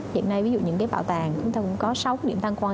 giờ này ví dụ những bảo tàng chúng ta cũng có sáu điểm thăm quan